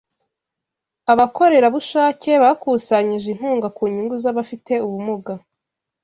Abakorerabushake bakusanyije inkunga ku nyungu z'abafite ubumuga.